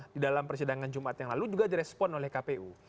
di dalam persidangan jumat yang lalu juga direspon oleh kpu